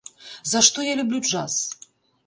За што я люблю джаз?